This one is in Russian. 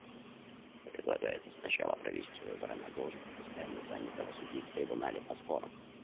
Предлагается сначала провести выборы на должность постоянно занятого судьи в Трибунале по спорам.